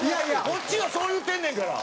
こっちがそう言ってんねんから！